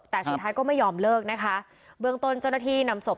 แต่สุดท้ายก็ไม่ยอมเลิกนะคะเบื้องต้นเจ้าหน้าที่นำศพ